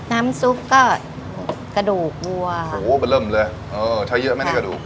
น้ำซุปก็กระดูกวัวโอ้โหมันเริ่มเลยเออใช้เยอะไหมในกระดูก